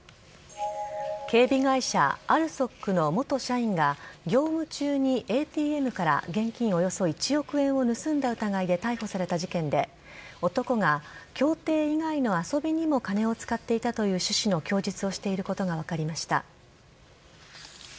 警備会社ＡＬＳＯＫの元社員が業務中にＡＴＭから現金およそ１億円を盗んだ疑いで逮捕された事件で男が競艇以外の遊びにも金を使っていたという趣旨の供述をしていることが分かりました。